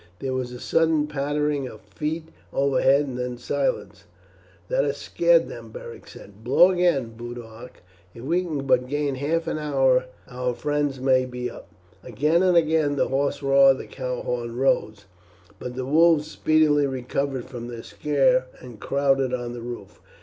There was a sudden pattering of feet overhead and then silence. "That has scared them," Beric said. "Blow again, Boduoc; if we can but gain half an hour our friends may be up." Again and again the hoarse roar of the cow horn rose, but the wolves speedily recovered from their scare and crowded on the roof.